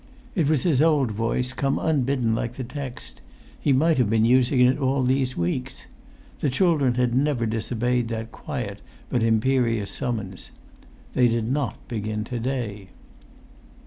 It was his old voice, come unbidden like the text; he might have been using it all these weeks. The children had never disobeyed that quiet but imperious summons. They did not begin to day.